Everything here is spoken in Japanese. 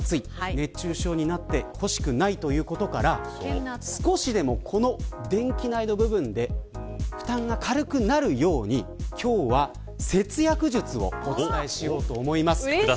熱中症になってほしくないというところから少しでも電気代の部分で負担が軽くなるように今日は節約術をお伝えしようと思います。